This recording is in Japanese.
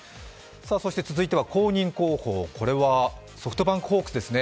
続いては後任候補、これはソフトバンクホークスですね。